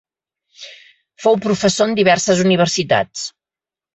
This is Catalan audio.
Fou professor en diverses universitats.